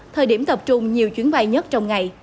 thời điểm tập trung nhiều chuyến bay nhất trong ngày